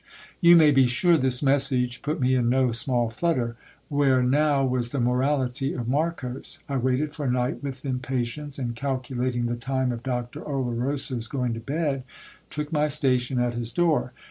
You may be sure this message put me in no small flutter. Where now was the morality of Marcos ? I waited for night with impatience, and, calculating the time of Dr Oloroso's going to bed, took my station at his door.